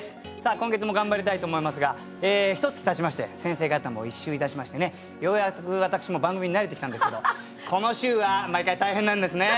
今月も頑張りたいと思いますがひとつきたちまして先生方も一周いたしましてねようやく私も番組に慣れてきたんですけどこの週は毎回大変なんですね。